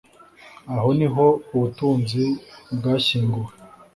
Aho niho ubutunzi bwashyinguwe